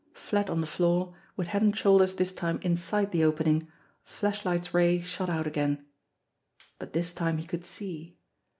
Flat on the floor, with head and shoulders this time inside the opening, the flashlight's ray shot out again. But this time he could see.